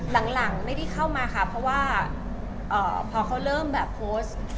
หลังไม่ได้เข้ามาค่ะเพราะว่าพอเขาเริ่มแบบโพสต์